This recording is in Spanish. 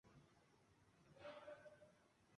Antiguamente era llamado volcán de Cartago.